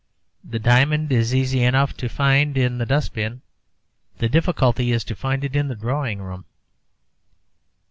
The diamond is easy enough to find in the dust bin. The difficulty is to find it in the drawing room.'